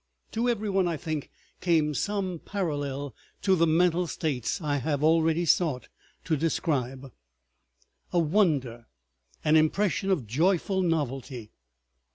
... To every one, I think, came some parallel to the mental states I have already sought to describe—a wonder, an impression of joyful novelty.